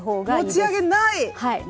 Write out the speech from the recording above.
持ち上げない。